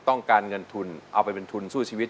ต้องการเงินทุนเอาไปเป็นทุนสู้ชีวิต